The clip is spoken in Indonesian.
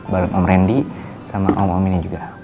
bapak om randy sama om om ini juga